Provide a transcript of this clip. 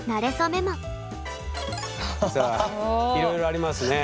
さあいろいろありますね。